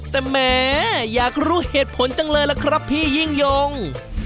แต่แหมอยากรู้เหตุผลจังเลยล่ะครับพี่ยิ่งยง